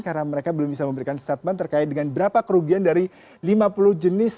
karena mereka belum bisa memberikan statement terkait dengan berapa kerugian dari lima puluh jenis